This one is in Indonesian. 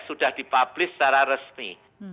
sudah di publis secara resmi